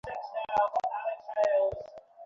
অতীতে অনেক বার তার প্রমাণ দিয়েছি, ভবিষ্যতেও দেব।